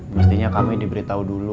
mestinya kami diberitahu dulu